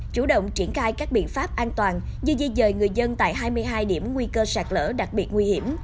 chủ động triển khai các biện pháp an toàn như di dời người dân tại hai mươi hai điểm nguy cơ sạt lỡ đặc biệt nguy hiểm